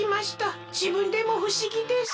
じぶんでもふしぎです。